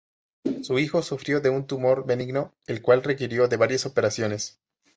Su hijo sufrió de un tumor benigno el cual requirió de varias operaciones.